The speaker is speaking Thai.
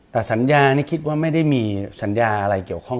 แต่สัญญานี่คิดว่าไม่ได้มีสัญญาอะไรเกี่ยวข้อง